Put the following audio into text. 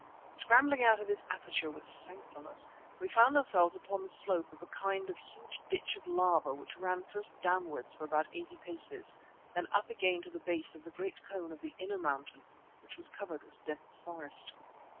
Scrambling out of this aperture with thankfulness, we found ourselves upon the slope of a kind of huge ditch of lava which ran first downwards for about eighty paces, then up again to the base of the great cone of the inner mountain which was covered with dense forest.